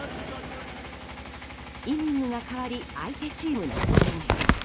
イニングが変わり相手チームの攻撃。